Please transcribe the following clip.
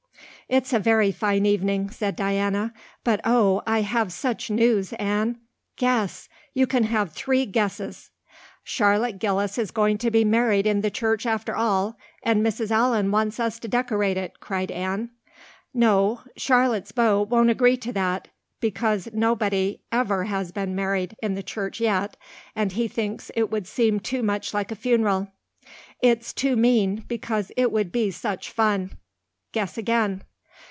"It's a very fine evening," said Diana, "but oh, I have such news, Anne. Guess. You can have three guesses." "Charlotte Gillis is going to be married in the church after all and Mrs. Allan wants us to decorate it," cried Anne. "No. Charlotte's beau won't agree to that, because nobody ever has been married in the church yet, and he thinks it would seem too much like a funeral. It's too mean, because it would be such fun. Guess again."